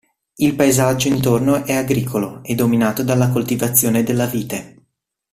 Il paesaggio intorno è agricolo e dominato dalla coltivazione della vite.